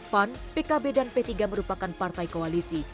pan pkb dan p tiga merupakan partai koalisi